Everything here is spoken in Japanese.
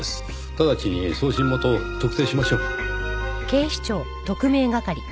直ちに送信元を特定しましょう。